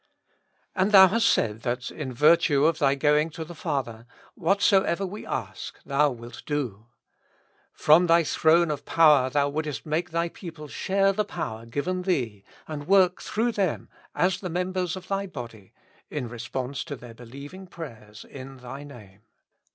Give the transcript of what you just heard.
And Thou hast said that in virtue of Thy going to the Father, whatsoever we ask. Thou wilt do. From Thy throne of power Thou wouldest make Thy peo ple share the power given Thee, and work through them as the members of Thy body, in response to their believing prayers in Thy Name.